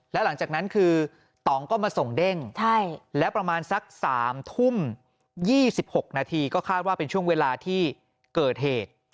แล้วหลังจากนั้นคือต่องก็มาส่งเด้งแล้วประมาณสัก๓ทุ่ม๒๖นาทีก็คาดว่าเป็นช่วงเวลาที่เกิดเหตุ